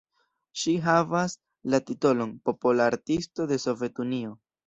Ŝi havas la titolon "Popola Artisto de Sovetunio".